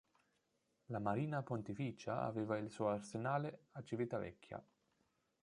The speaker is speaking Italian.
La marina pontificia aveva il suo arsenale a Civitavecchia.